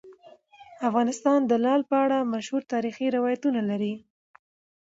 افغانستان د لعل په اړه مشهور تاریخی روایتونه لري.